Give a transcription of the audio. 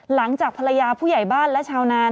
หลังจากภรรยาผู้ใหญ่บ้านและชาวนาน